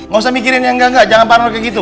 gak usah mikirin yang gak gak jangan parno kayak gitu